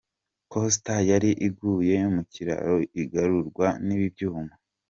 Coaster yari iguye mu kiraro igarurwa n’ibyuma.